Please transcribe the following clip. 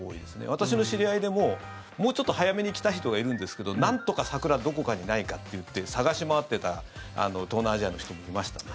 私の知り合いでももうちょっと早めに来た人がいるんですけどなんとか、桜どこかにないかっていって探し回っていた東南アジアの人もいましたね。